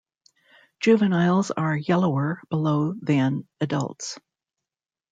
Juveniles are yellower below than adults.